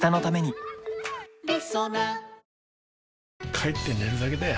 帰って寝るだけだよ